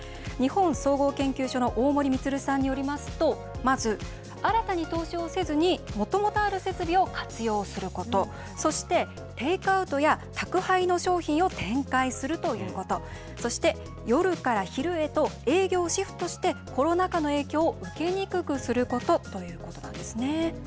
日本総合研究所の大森充さんによりますと、まず、新たに投資をせずに、もともとある設備を活用すること、そして、テイクアウトや宅配の商品を展開するということ、そして、夜から昼へと営業をシフトして、コロナ禍の影響を受けにくくすることということなんですね。